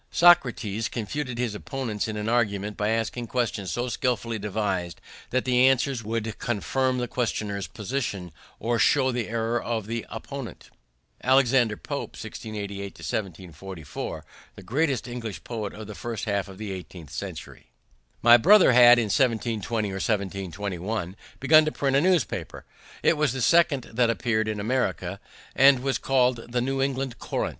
Socrates confuted his opponents in argument by asking questions so skillfully devised that the answers would confirm the questioner's position or show the error of the opponent. Alexander Pope (1688 1744), the greatest English poet of the first half of the eighteenth century. My brother had, in 1720 or 1721, begun to print a newspaper. It was the second that appeared in America, and was called the New England Courant.